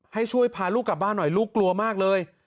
ให้ช่วยพาลูกกลับบ้านหน่อยลูกกลัวมากเลย